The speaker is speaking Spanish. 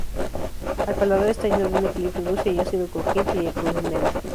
Al paladar está lleno de un equilibrio dulce y ácido, crujiente y fundente.